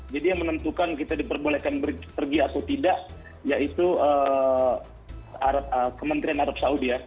jadi yang menentukan kita diperbolehkan pergi atau tidak yaitu kementerian arab saudi ya